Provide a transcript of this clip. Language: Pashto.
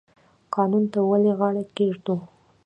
قانون ته ولې غاړه کیږدو؟